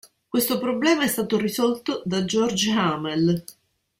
Questo problema è stato risolto da Georg Hamel.